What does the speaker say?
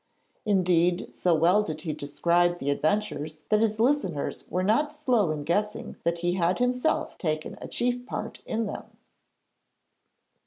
Indeed, so well did he describe the adventures that his listeners were not slow in guessing that he had himself taken a chief part in them.